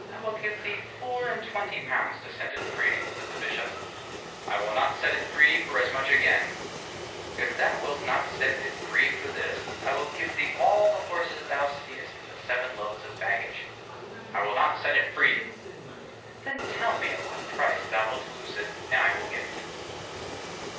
'I will give thee four and twenty pounds to set it free,' said the bishop. 'I will not set it free for as much again.' 'If thou wilt not set it free for this, I will give thee all the horses thou seest and the seven loads of baggage.' 'I will not set it free.' 'Then tell me at what price thou wilt loose it, and I will give it.